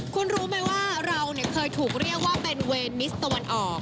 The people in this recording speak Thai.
คุณรู้ไหมว่าเราเคยถูกเรียกว่าเป็นเวนมิสตะวันออก